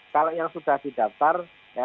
kalau yang sudah didaftar